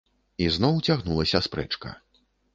І зноў цягнулася спрэчка.